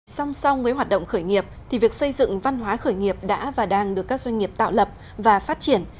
song song với hoạt động khởi nghiệp thì việc xây dựng văn hóa khởi nghiệp đã và đang được các doanh nghiệp tạo lập và phát triển